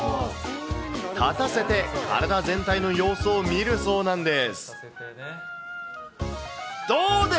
立たせて体全体の様子を見るそうなんです。